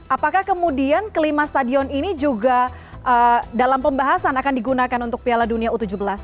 apakah kemudian kelima stadion ini juga dalam pembahasan akan digunakan untuk piala dunia u tujuh belas